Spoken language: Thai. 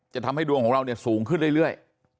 ทำให้ดวงของเราเนี่ยสูงขึ้นเรื่อย